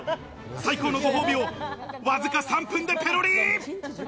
最高のご褒美をわずか３分でペロリ。